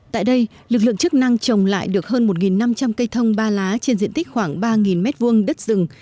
tại đây lực lượng chức năng trồng lại được hơn một năm trăm linh cây thông ba lá trên diện tích khoảng ba m hai đất rừng